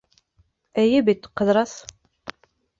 Эйе бит, Ҡыҙырас?!